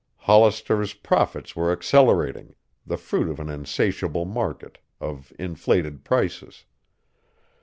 Hollister's profits were accelerating, the fruit of an insatiable market, of inflated prices.